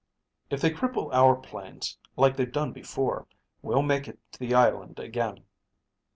"If they cripple our planes like they've done before, we'll make it to the island again."